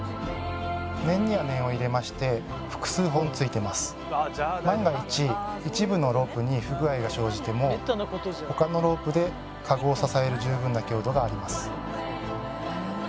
念には念を入れまして万が一一部のロープに不具合が生じても他のロープでかごを支える十分な強度があります。